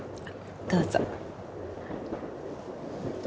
どうぞ。